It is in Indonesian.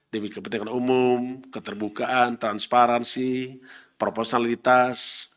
demikian kepentingan umum keterbukaan transparansi proporsionalitas